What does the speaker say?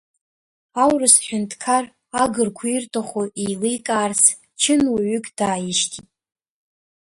Аурыс ҳәынҭқар агырқәа ирҭаху еиликаарц чынуаҩык дааишьҭит.